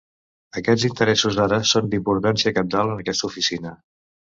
Aquests interessos ara són d'importància cabdal en aquesta oficina.